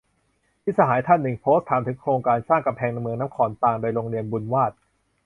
มิตรสหายท่านหนึ่ง โพสต์ถามถึงโครงการสร้าง "กำแพงเมืองนครลำปาง" โดยโรงเรียนบุญวาทย์